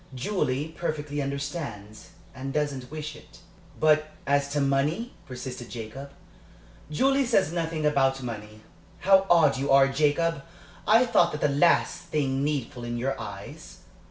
Julie perfectly understands, and doesn't wish it." "But as to money?" persisted Jacob. "Julie says nothing about money. How odd you are, Jacob! I thought that was the last thing needful in your eyes."